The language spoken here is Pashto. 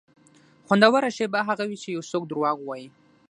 خوندوره شېبه هغه وي چې یو څوک دروغ وایي.